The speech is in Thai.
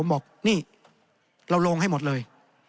บอกนี่เราลงให้หมดเลย